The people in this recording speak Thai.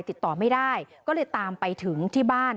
ติดต่อไม่ได้ก็เลยตามไปถึงที่บ้าน